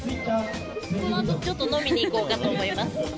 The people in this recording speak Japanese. このあとちょっと、飲みに行こうかと思います。